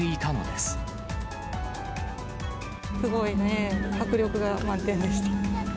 すごい迫力が満点でした。